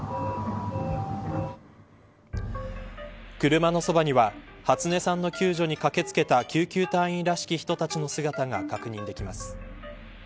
車のそばには初音さんの救助に駆け付けた救急隊員らしき人たちの姿が確認できます。